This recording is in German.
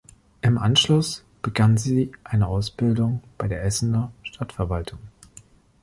Im Anschluss begann sie eine Ausbildung bei der Essener Stadtverwaltung.